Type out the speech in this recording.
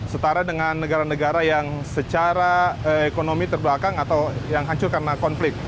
setara dengan negara negara yang secara ekonomi terbelakang atau yang hancur karena konflik